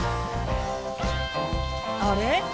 あれ？